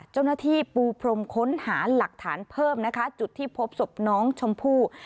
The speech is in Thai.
เจ้าหน้าที่ปูพรมค้นหาหลักฐานเพิ่มนะคะจุดที่พบศพน้องชมพู่